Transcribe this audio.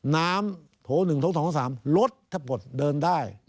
น้ำ๑๒๓ลดทั้งหมดเดินได้